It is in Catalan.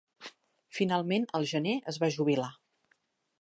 Finalment, al gener, es va jubilar.